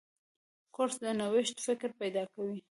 کورس د نوښت فکر پیدا کوي.